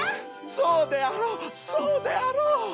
そうであろうそうであろう！